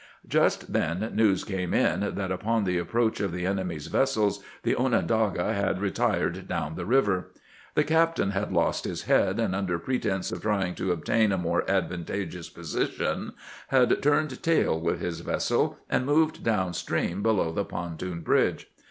Just then news came in that upon the approach of the enemy's vessels the Onondaga had re tired down the river. The captain had lost his head, and under pretense of trying to obtain a more advan tageous position, had turned tail with his vessel, and moved down stream below the pontoon bridge.